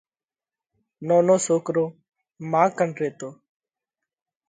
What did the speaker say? نونو سوڪرو مان ڪنَ ريتو۔